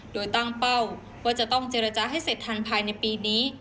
โดยตั้งเป้าว่าจะต้องเจรจาให้เสร็จทันภายในปีนี้